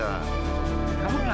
apa surat itu isinya